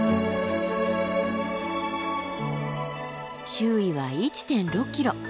周囲は１．６ｋｍ。